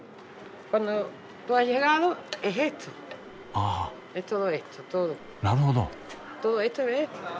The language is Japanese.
ああなるほど。